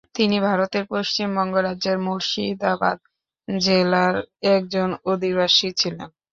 তিনি ভারতের পশ্চিমবঙ্গ রাজ্যের মুর্শিদাবাদ জেলার একজন অধিবাসী ছিলেন।